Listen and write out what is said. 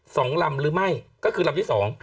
สองลำหรือไม่ก็คือลำที่สอง